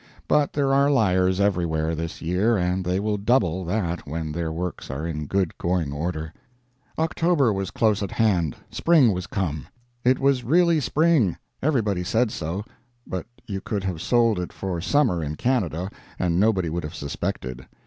But there are liars everywhere this year, and they will double that when their works are in good going order. October was close at hand, spring was come. It was really spring everybody said so; but you could have sold it for summer in Canada, and nobody would have suspected.